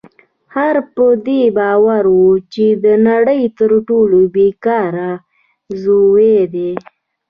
خر په دې باور و چې د نړۍ تر ټولو بې کاره ژوی دی.